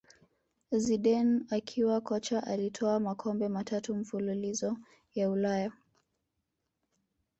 Zidane akiwa kocha alitwaa makombe matatu mfululizo ya Ulaya